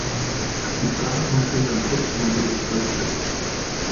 Die Franken sind ein putz-munteres Völkchen.